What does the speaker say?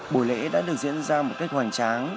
buổi lễ đã được diễn ra một cách hoàn trang